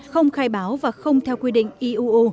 không khai báo và không theo quy định iuu